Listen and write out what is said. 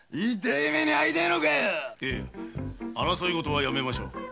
いや争いごとはやめましょう。